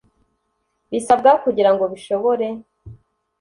bisabwa kugira ngo bishobore